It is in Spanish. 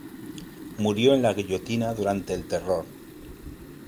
Murió en la guillotina durante el Terror.